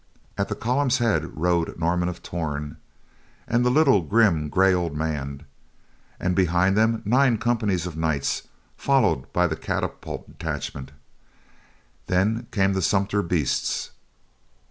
At the column's head rode Norman of Torn and the little grim, gray, old man; and behind them, nine companies of knights, followed by the catapult detachment; then came the sumpter beasts.